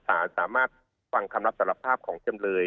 สารสามารถฟังคำรับสารภาพของจำเลย